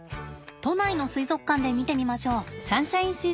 都内の水族館で見てみましょう。